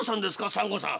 サンゴさん」。